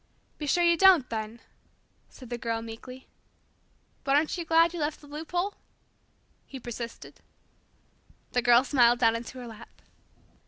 "Be sure you don't, then," said the Girl meekly. "But aren't you glad you left the loophole?" he persisted. The Girl smiled down into her lap.